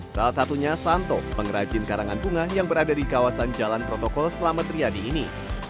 salah satunya santo pengrajin karangan bunga yang berada di kawasan jalan protokol selamat riyadi ini